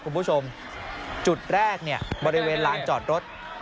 คุณผู้ชมจุดแรกเนี่ยบริเวณลานจอดรถ